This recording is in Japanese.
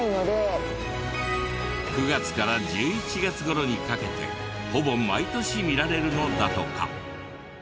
９月から１１月頃にかけてほぼ毎年見られるのだとか。